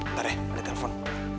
ntar deh ada telepon